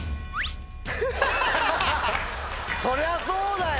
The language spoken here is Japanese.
そりゃそうだよ。